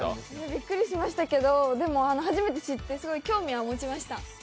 びっくりしましたけど、初めて知って、すごい興味は持ちました。